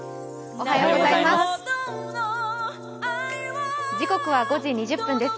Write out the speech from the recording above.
おはようございます。